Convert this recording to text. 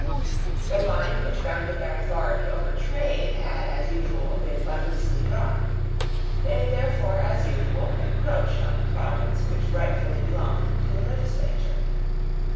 The line which bounded their authority over trade had, as usual, been but loosely drawn. They therefore, as usual, encroached on the province which rightfully belonged to the legislature.